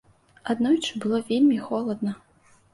Аднойчы было вельмі холадна.